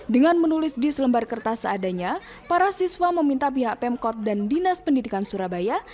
dengan menulis di selembar kertas seadanya para siswa meminta pihak pemkot dan dinas pendidikan surabaya